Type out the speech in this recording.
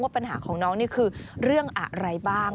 ปัญหาของน้องนี่คือเรื่องอะไรบ้าง